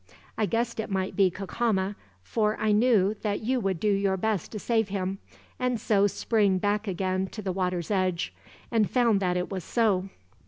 I guessed it might be Cacama, for I knew that you would do your best to save him; and so sprang back again to the water's edge, and found that it was so.